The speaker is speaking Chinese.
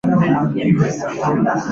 在墓碑刻下这一首诗